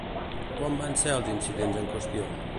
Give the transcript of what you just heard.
Quan van ser els incidents en qüestió?